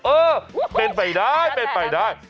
เออเป็นไปได้เป็นไปได้